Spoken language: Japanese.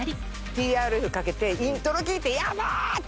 ＴＲＦかけてイントロ聴いてヤバー！って。